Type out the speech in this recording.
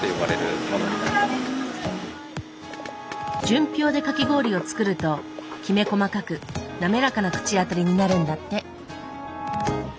純氷でかき氷を作るときめ細かく滑らかな口当たりになるんだって。